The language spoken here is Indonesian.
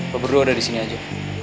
lo berdua ada disini aja